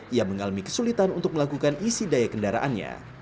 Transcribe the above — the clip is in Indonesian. ia mengalami kesulitan untuk melakukan isi daya kendaraannya